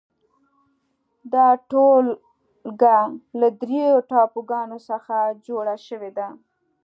دا ټولګه له درېو ټاپوګانو څخه جوړه شوې ده.